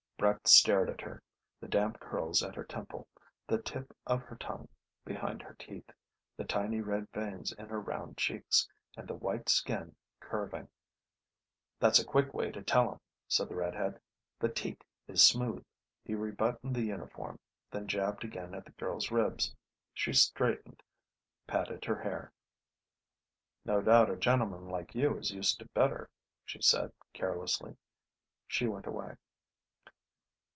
Brett stared at her, the damp curls at her temple, the tip of her tongue behind her teeth, the tiny red veins in her round cheeks, and the white skin curving ... "That's a quick way to tell 'em," said the red head. "The teat is smooth." He rebuttoned the uniform, then jabbed again at the girl's ribs. She straightened, patted her hair. "No doubt a gentleman like you is used to better," she said carelessly. She went away.